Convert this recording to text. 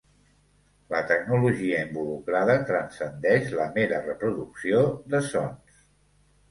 La tecnologia involucrada transcendeix la mera reproducció de sons.